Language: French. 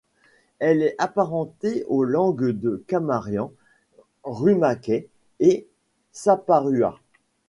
Elle est apparentée aux langues de Kamarian-Rumakai et Saparua.